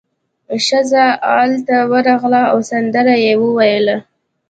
ښځه ال ته ورغله او سندره یې وویله.